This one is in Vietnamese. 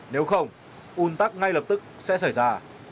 nếu không un tắc ngay lập tức sẽ xảy ra